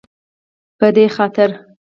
په دې خاطر